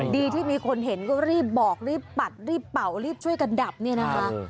ดีที่มีคนเห็นก็รีบบอกรีบปัดรีบเป่ารีบช่วยกันดับเนี่ยนะคะ